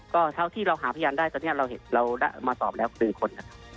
ก็เท่าที่เราหาพยานได้ตอนนี้เรามาสอบแล้ว๑คนนะครับ